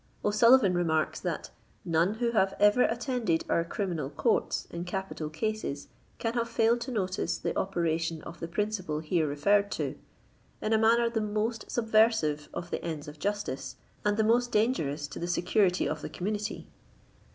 O^SuUivan re marks that '*none who have ever attended our criminal conrts in capital cases, can have failed to notice the operation of the principle here referred to, in a manner the most subversive of the ends of justice, and the most dangerous to the security of the community.